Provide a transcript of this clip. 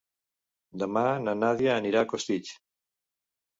Demà na Nàdia anirà a Costitx.